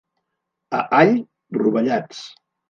A All, rovellats.